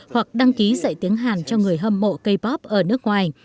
hoặc đăng ký dạy tiếng hàn cho người hâm mộ cây pop ở nước ngoài